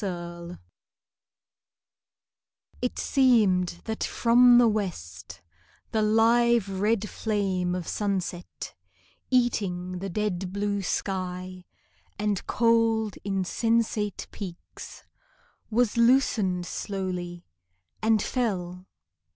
FINIS It seemed that from the west The live red flame of sunset, Eating the dead blue sky And cold insensate peaks, Was loosened slowly, and fell.